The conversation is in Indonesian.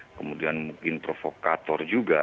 kemudian mungkin provokator juga